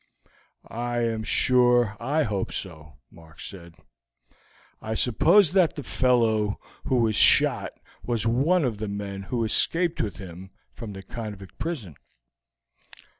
"I am sure I hope so," Mark said. "I suppose that the fellow who was shot was one of the men who escaped with him from the convict prison."